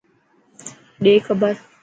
ڏي کبر.